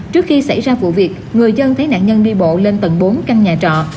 trước khi xảy ra vụ việc người dân thấy nạn nhân đi bộ lên tầng bốn căn nhà trọ